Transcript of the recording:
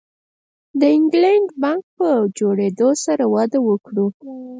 د انګلینډ بانک په جوړېدو سره وده وکړه.